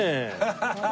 ハハハハ！